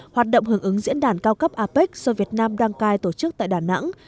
hoạt động hưởng ứng diễn đàn cao cấp apec do việt nam đăng cai tổ chức tại đà nẵng